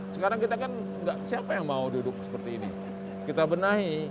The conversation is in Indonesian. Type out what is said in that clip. sekarang kita kan siapa yang mau duduk seperti ini kita benahi